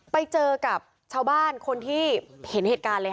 ไปเจอกับชาวบ้านคนที่เห็นเหตุการณ์เลยค่ะ